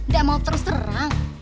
gak mau terus terang